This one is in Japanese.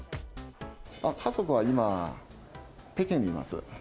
家族は今、北京にいます。